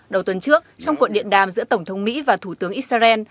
đầu tuần trước trong cuộc điện đàm giữa tổng thống mỹ và thủ tướng israel